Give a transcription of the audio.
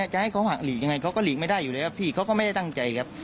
จะให้เขาหักหลีกยังไงเขาก็หลีกไม่ได้อยู่แล้วพี่เขาก็ไม่ได้ตั้งใจครับ